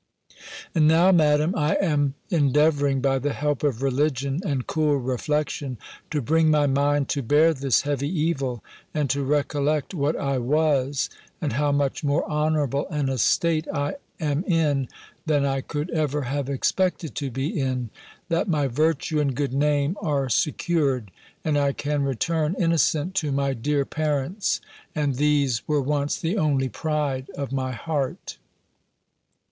And now, Madam, I am endeavouring, by the help of religion, and cool reflection, to bring my mind to bear this heavy evil, and to recollect what I was, and how much more honourable an estate I am in, than I could ever have expected to be in; that my virtue and good name are secured; and I can return innocent to my dear parents: and these were once the only pride of my heart.